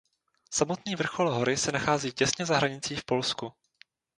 Samotný vrchol hory se nachází těsně za hranicí v Polsku.